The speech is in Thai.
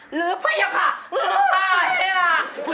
หรือพระเจ้าค่ะ